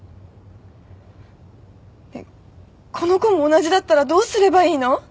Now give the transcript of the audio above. この子も同じだったらどうすればいいの？